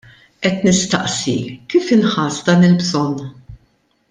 Qed nistaqsi, kif inħass dan il-bżonn?